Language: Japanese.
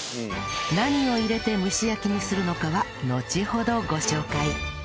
何を入れて蒸し焼きにするのかはのちほどご紹介